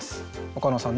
岡野さん